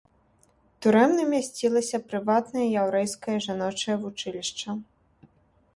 Турэмнай мясцілася прыватнае яўрэйскае жаночае вучылішча.